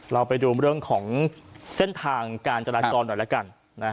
เราไปดูเรื่องของเส้นทางการจราจรหน่อยแล้วกัน